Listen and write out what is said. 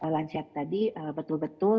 lansia tadi betul betul